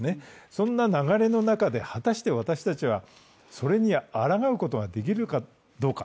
そんな流れの中で果たして私たちはそれに抗うことができるかどうか。